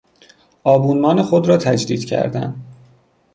آبونمان خود را تجدید کردن